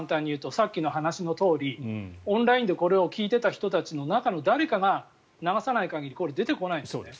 さっきの話のとおりオンラインでこれを聞いていた人たちの中の誰かが流さない限りこれは出てこない。